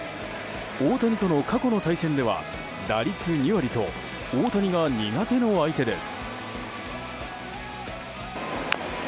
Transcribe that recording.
大谷との過去の対戦では打率２割と大谷が苦手な相手です。